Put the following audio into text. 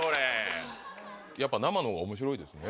やっぱ生のほうが面白いですね。